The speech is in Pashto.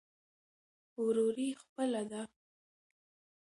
وروري خپله ده.